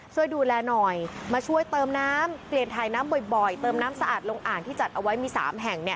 ช่วยดูแลหน่อยมาช่วยเติมน้ำเปลี่ยนถ่ายน้ำบ่อยเติมน้ำสะอาดลงอ่างที่จัดเอาไว้มี๓แห่ง